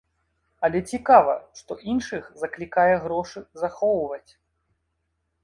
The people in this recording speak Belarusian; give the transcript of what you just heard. Але цікава, што іншых заклікае грошы захоўваць.